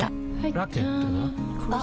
ラケットは？